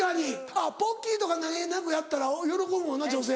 あっポッキーとか何げなくやったら喜ぶもんな女性。